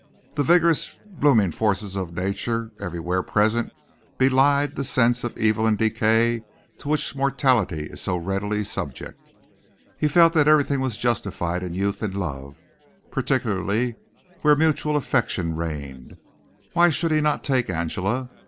The vigorous blooming forces of nature everywhere present belied the sense of evil and decay to which mortality is so readily subject. He felt that everything was justified in youth and love, particularly where mutual affection reigned. Why should he not take Angela?